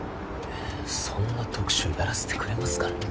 はぁそんな特集やらせてくれますかね。